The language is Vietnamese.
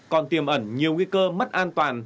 còn tiêm ẩn nhiều nguy cơ mất an toàn